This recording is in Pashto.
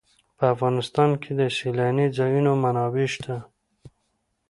په افغانستان کې د سیلاني ځایونو منابع شته دي.